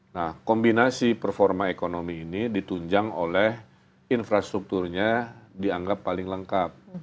nah kombinasi performa ekonomi ini ditunjang oleh infrastrukturnya dianggap paling lengkap